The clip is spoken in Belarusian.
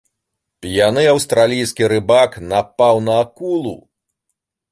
П'яны аўстралійскі рыбак напаў на акулу.